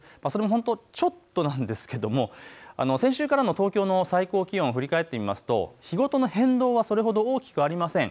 本当にちょっとなんですけど、先週からの東京の最高気温、振り返りますと変動はそれほど大きくありません。